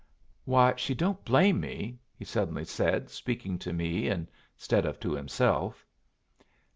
Why, she don't blame me!" he suddenly said, speaking to me instead of to himself.